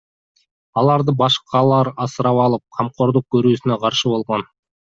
Аларды башкалар асырап алып, камкордук көрүүсүнө каршы болгон.